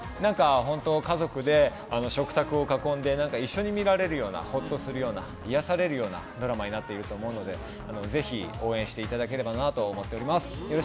家族で食卓を囲んで一緒に見られるようなほっとするような癒やされるようなドラマになっていると思うのでぜひ応援していただければなと思っております。